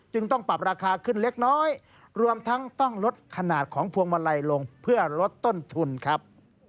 ต้องปรับราคาขึ้นเล็กน้อยรวมทั้งต้องลดขนาดของพวงมาลัยลงเพื่อลดต้นทุนครับ